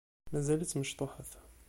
Mazal-itt mecṭuḥet.